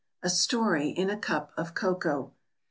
A STORY IN A CUP OF COCOA.